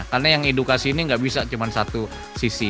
karena yang edukasi ini nggak bisa cuma satu sisi